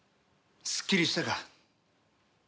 すっきりしたか？